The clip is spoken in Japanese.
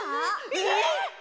えっ！？